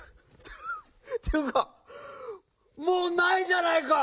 っていうかもうないじゃないか！